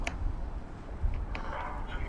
د هر شخص مسئوليتونه او حقوق ئې ذکر کړي دي.